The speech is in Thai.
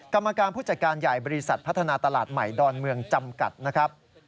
กรรมการผู้จัดการใหญ่บริษัทพัฒนาตลาดใหม่ดอนเมืองจำกัดนะครับ